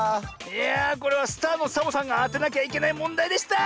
いやあこれはスターのサボさんがあてなきゃいけないもんだいでした。